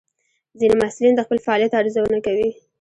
ځینې محصلین د خپل فعالیت ارزونه کوي.